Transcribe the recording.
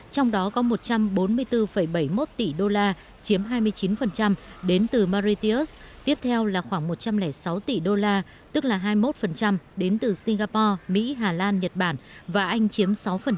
trong đó có một trăm bốn mươi bốn bảy mươi một tỷ đô la chiếm hai mươi chín đến từ mauritios tiếp theo là khoảng một trăm linh sáu tỷ đô la tức là hai mươi một đến từ singapore mỹ hà lan nhật bản và anh chiếm sáu